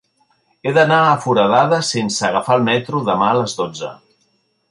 He d'anar a Foradada sense agafar el metro demà a les dotze.